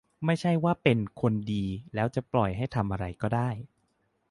ไม่ใช่ว่า "เป็นคนดี" แล้วจะปล่อยให้ทำอะไรก็ได้